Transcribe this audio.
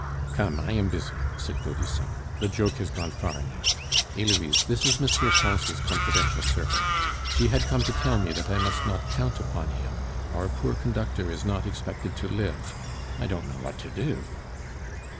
"Come, I am busy," said Gaudissart. "The joke has gone far enough. Heloise, this is M. Pons' confidential servant; she had come to tell me that I must not count upon him; our poor conductor is not expected to live. I don't know what to do."